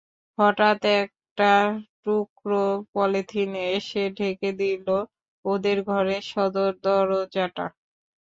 হঠাৎ একটা টুকরো পলিথিন এসে ঢেকে দিলো ওদের ঘরের সদর দরোজাটা।